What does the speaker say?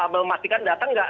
memastikan datang gak